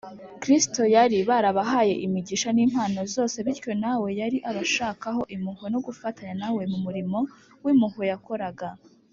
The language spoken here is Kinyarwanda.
kristo yari barabahaye imigisha n’impano zose, bityo nawe yari abashakaho impuhwe no gufatanya na we mu murimo w’impuhwe yakoraga